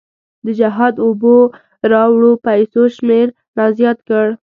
د جهاد اوبو راوړو پیسو شمېر لا زیات کړ.